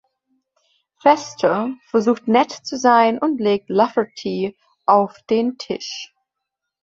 Fester versucht nett zu sein und legt Lafferty auf den Tisch.